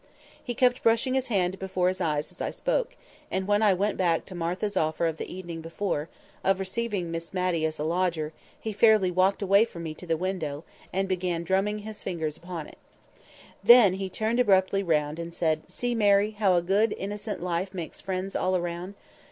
He kept brushing his hand before his eyes as I spoke—and when I went back to Martha's offer the evening before, of receiving Miss Matty as a lodger, he fairly walked away from me to the window, and began drumming with his fingers upon it. Then he turned abruptly round, and said, "See, Mary, how a good, innocent life makes friends all around.